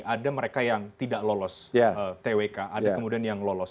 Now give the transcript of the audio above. ada mereka yang tidak lolos twk ada kemudian yang lolos